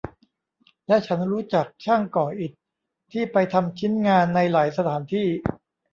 และฉันรู้จักช่างก่ออิฐที่ไปทำชิ้นงานในหลายสถานที่